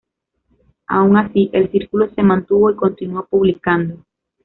Aun así, el Círculo se mantuvo y continuó publicando.